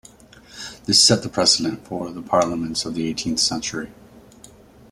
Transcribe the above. This set the precedent for the parliaments of the eighteenth century.